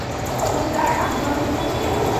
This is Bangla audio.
তো স্যার, আপনি তখন কোথায় ছিলেন?